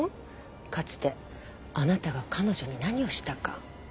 かつてあなたが彼女に何をしたか。